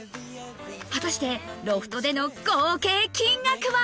果たしてロフトでの合計金額は？